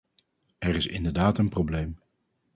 Er is inderdaad een probleem.